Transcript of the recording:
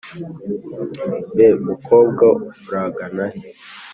mbe mukobwa uragana he?